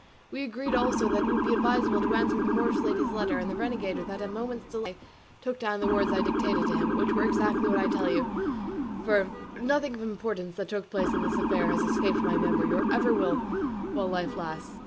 We agreed also that it would be advisable to answer the Moorish lady's letter, and the renegade without a moment's delay took down the words I dictated to him, which were exactly what I shall tell you, for nothing of importance that took place in this affair has escaped my memory, or ever will while life lasts.